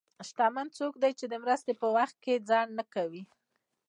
شتمن څوک دی چې د مرستې په وخت کې ځنډ نه کوي.